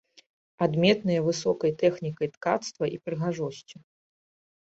Адметныя высокай тэхнікай ткацтва і прыгажосцю.